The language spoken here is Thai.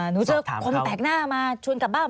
หนูเจอคนแปลกหน้ามาชวนกลับบ้าน